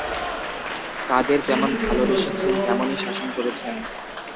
কাদের যেমন ভালোবেসেছেন, তেমনি শাসন করেছেন?